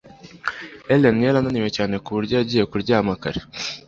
Ellen yari ananiwe cyane ku buryo yagiye kuryama kare.